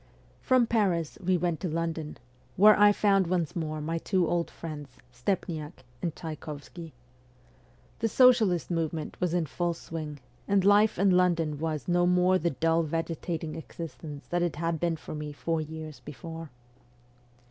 From Paris we went to London, where I found once more my two old friends, Stepniak and Tchayk6vsky. The socialist movement was in full swing, and life in London was no more the dull,, vegetating existence that it had been for me four years before.